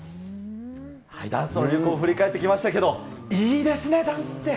ダンスの流行を振り返ってきましたけれども、いいですね、ダンスって。